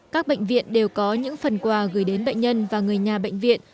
các bệnh viện đều có những phần quà gửi đến bệnh nhân và người nhà bệnh viện